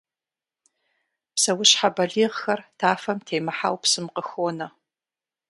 Псэущхьэ балигъхэр тафэм темыхьэу псым къыхонэ.